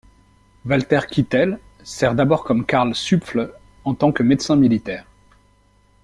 Walther Kittel sert d'abord, comme Karl Süpfle, en tant que médecin militaire.